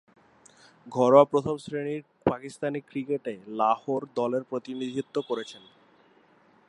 ঘরোয়া প্রথম-শ্রেণীর পাকিস্তানি ক্রিকেটে লাহোর দলের প্রতিনিধিত্ব করেছেন।